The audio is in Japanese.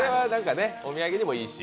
お土産にもいいですし。